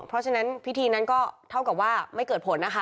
เพราะฉะนั้นพิธีนั้นก็เท่ากับว่าไม่เกิดผลนะคะ